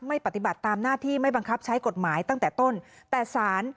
ปฏิบัติตามหน้าที่ไม่บังคับใช้กฎหมายตั้งแต่ต้นแต่สาร